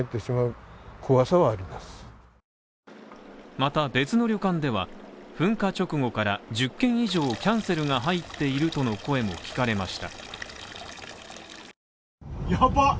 また別の旅館では、噴火直後から１０件以上のキャンセルが入っているとの声も聞かれました。